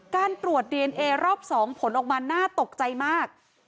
การตรวจดีเอนเอรอบ๒ผลออกมาน่าตกใจมาก